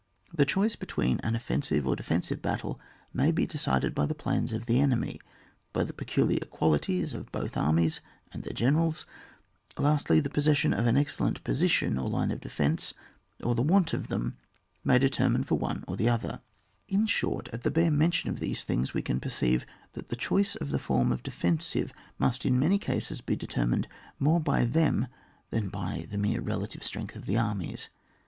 The choice between an offensive or defensive battle may be decided by the plans of the enemy, by the peculiar qualities of both armies and their generals; lastly, the possession of an excellent position or line of defence, or the want of them may de termine for one or the other ;— in short, at the bare mention of these things, we can perceive that the choice of the form of defensive must in many cases be de termined more by them than by the mere relative strength of the armies.